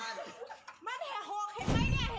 ต้องเติมในปลั๊ม